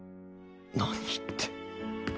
何言って。